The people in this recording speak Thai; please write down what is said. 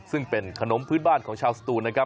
ซึ่งเป็นขนมพื้นบ้านของชาวสตูนนะครับ